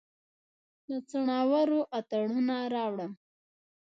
د څنورو اتڼوڼه راوړم